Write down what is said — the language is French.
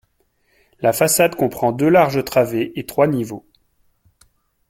La façade comprend deux larges travées et trois niveaux.